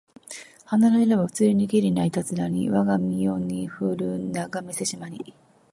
花の色はうつりにけりないたづらにわが身世にふるながめせしまに